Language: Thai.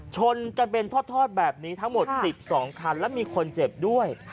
ชนกันเป็นทอดแบบนี้ทั้งหมด๑๒คันและมีคนเจ็บด้วย